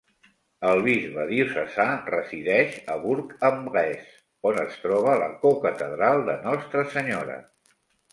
El bisbe diocesà resideix a Bourg-en-Bresse, on es troba la cocatedral de Nostra Senyora.